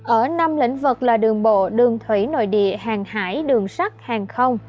ở năm lĩnh vực là đường bộ đường thủy nội địa hàng hải đường sắt hàng không